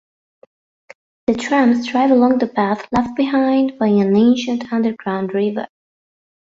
The trams drive along the path left behind by an ancient underground river.